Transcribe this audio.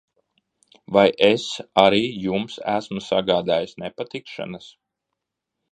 Vai es arī jums esmu sagādājis nepatikšanas?